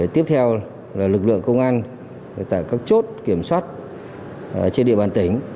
tiếp theo là lực lượng công an tại các chốt kiểm soát trên địa bàn tỉnh